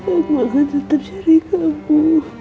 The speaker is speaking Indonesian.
aku akan tetap cari kamu